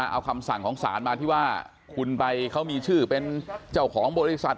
เอาคำสั่งของศาลมาที่ว่าคุณไปเขามีชื่อเป็นเจ้าของบริษัท